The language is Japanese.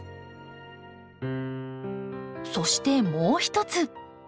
そしてもう一つ。